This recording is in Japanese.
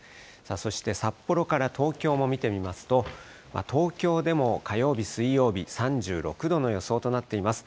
そして札幌から東京も見てみますと、東京でも火曜日、水曜日、３６度の予想となっています。